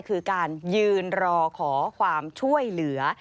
คือการยืนรอขอความช่วยเหลือ